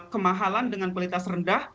kemahalan dengan kualitas rendah